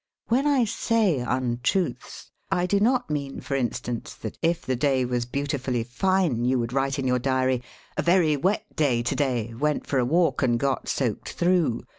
When I say "untruths" I do not mean, for in stance, that if the day was beautifully fine you would write in your diary: "A very wet day to day ; went for a walk and got soaked through."